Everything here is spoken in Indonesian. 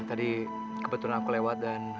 tadi kebetulan aku lewat dan